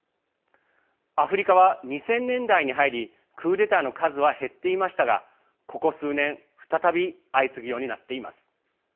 アフリカは２０００年代に入りクーデターの数は減っていましたがここ数年再び相次ぐようになっています。